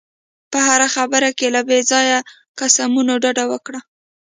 په هره خبره کې له بې ځایه قسمونو ډډه وکړه.